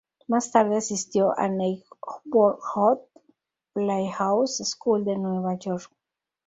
Más tarde asistió a la Neighborhood Playhouse School de Nueva York.